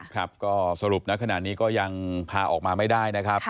ครับก็สรุปนะขณะนี้ก็ยังพาออกมาไม่ได้นะครับ